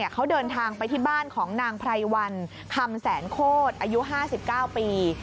เขาเดินทางไปที่บ้านของนางไพรวันคำแสนโคตรอายุ๕๙ปี